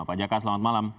pak jaka selamat malam